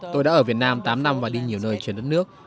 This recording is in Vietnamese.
tôi đã ở việt nam tám năm và đi nhiều nơi trên đất nước